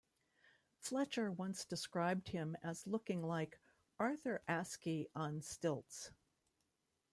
Fletcher once described him as looking like 'Arthur Askey on stilts'.